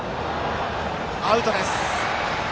アウトです。